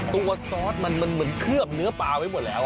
ซอสมันเหมือนเคลือบเนื้อปลาไว้หมดแล้ว